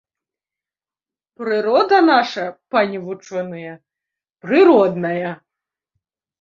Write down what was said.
Прырода наша, пане вучоныя, прыродная.